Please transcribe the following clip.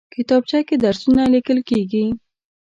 کتابچه کې درسونه لیکل کېږي